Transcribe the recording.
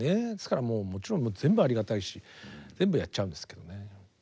ですからもうもちろん全部ありがたいし全部やっちゃうんですけどね。